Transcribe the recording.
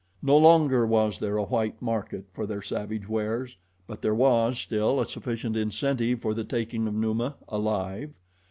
No longer was there a white market for their savage wares; but there was still a sufficient incentive for the taking of Numa alive.